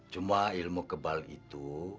cuma ilmu kebal itu